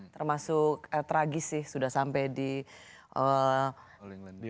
termasuk tragis sih sudah sampai di all england